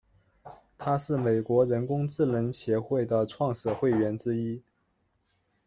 他是美国人工智能协会的创始会员之一。